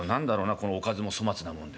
このおかずも粗末なもんで。